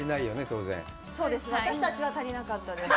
当然私たちは足りなかったです